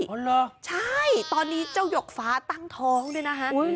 เหรอใช่ตอนนี้เจ้าหยกฟ้าตั้งท้องด้วยนะฮะ